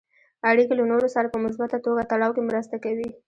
اړیکې له نورو سره په مثبته توګه تړاو کې مرسته کوي.